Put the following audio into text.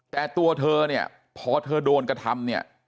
แต่ตัวเธอเนี่ยพอเธอโดนกระทำเนี่ย